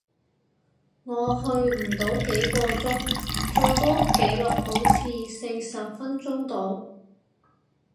我去唔到幾個鐘，最高紀錄好似四十分鐘度